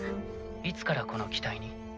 いつからこの機体に？